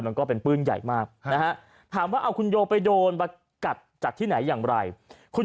มันก็เป็นปืนใหญ่มากคุณโยไปโดนกัดจัดที่ไหนอย่างไรคุณ